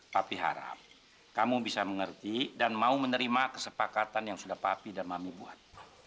tapi harap kamu bisa mengerti dan mau menerima kesepakatan yang sudah papi dan mami buat